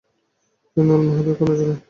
তিনি আল-মাহদীর কন্যা ছিলেন।